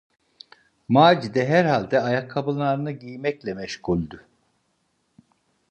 Macide herhalde ayakkabılarını giymekle meşguldü.